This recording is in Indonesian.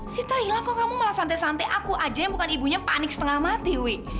si thaila kok kamu malah santai santai aku aja yang bukan ibunya panik setengah mati wi